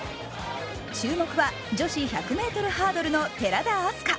注目は女子１００ｍハードルの寺田明日香。